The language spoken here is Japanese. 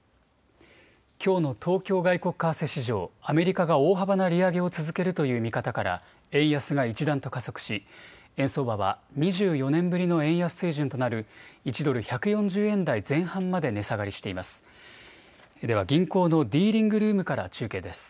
きょうの東京外国為替市場、アメリカが大幅な利上げを続けるという見方から円安が一段と加速し円相場は２４年ぶりの円安水準となる１ドル１４０円台前半まで値下がりしています。